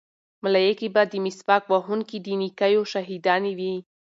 ملایکې به د مسواک وهونکي د نیکیو شاهدانې وي.